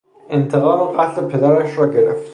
انتقام قتل پدرش را گرفت.